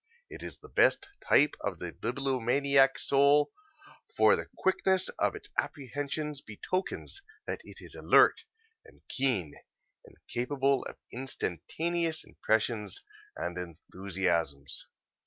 It is the best type of the bibliomaniac soul, for the quickness of its apprehensions betokens that it is alert and keen and capable of instantaneous impressions and enthusiasms.